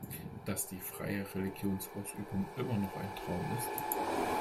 Dass die freie Religionsausübung immer noch ein Traum ist?